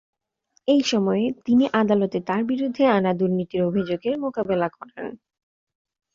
এই সময়ে তিনি আদালতে তার বিরুদ্ধে আনা দুর্নীতির অভিযোগের মোকাবেলা করেন।